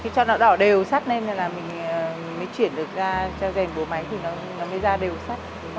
khi cho đỏ đỏ đều sắt lên là mình mới chuyển được ra cho dền bộ máy thì nó mới ra đều sắt